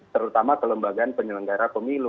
terutama kelembagaan penyelenggara pemilu